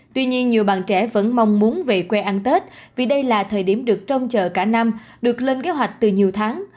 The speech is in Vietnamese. tuy nhiên nhiều bạn trẻ vẫn mong muốn về quê ăn tết vì đây là thời điểm được trong chợ cả năm được lên kế hoạch từ nhiều tháng